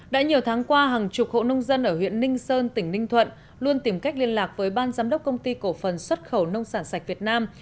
đã nhiều tháng qua hàng chục hộ nông dân ở huyện ninh sơn tỉnh ninh thuận luôn tìm cách liên lạc với ban giám đốc công ty cổ phần xuất khẩu nông sản sạch việt nam